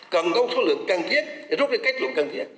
cần có số lượng cần thiết để rút ra cách lượng cần thiết